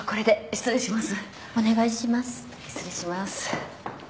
失礼します。